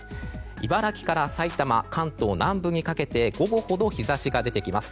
茨城から埼玉、関東南部にかけて午後ほど日差しが出てきます。